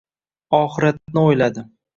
Oxiratni o‘yladi.